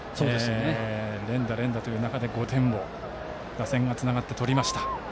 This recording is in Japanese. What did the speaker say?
連打、連打という中で５点を打線がつながって取りました。